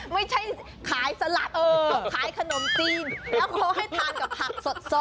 ไม่ใช่ขายสลัดเขาขายขนมจีนแล้วเขาให้ทานกับผักสด